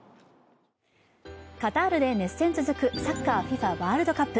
カタールで熱戦続く、サッカーＦＩＦＡワールドカップ。